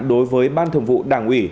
đối với ban thường vụ đảng ủy